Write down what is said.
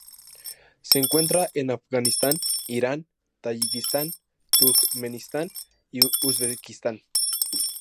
Se encuentra en Afganistán, Irán, Tayikistán, Turkmenistán y Uzbekistán.